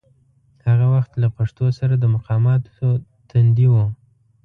هغه وخت له پښتو سره د مقاماتو تندي و.